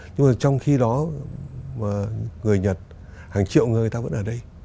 nhưng mà trong khi đó người nhật hàng triệu người ta vẫn ở đây